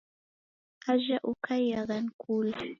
Ajha Ukaiyagha ni kula.